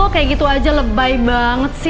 kayak gitu aja lebay banget sih